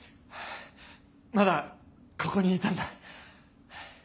まだここにいたんだ。